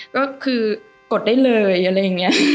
ก็คือกดได้เลยอะไรอย่างนี้